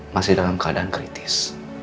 masih dalam keadaan kritis